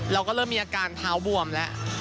เราก็เริ่มมีอาการเท้าบวมแล้ว